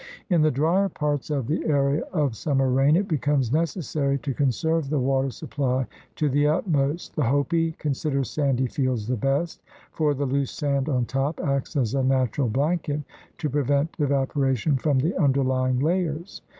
In the drier parts of the area of summer rain, it becomes necessary to con serve the water supply to the utmost. The Hopi consider sandy fields the best, for the loose sand on top acts as a natural blanket to prevent evapora tion from the underlying layers.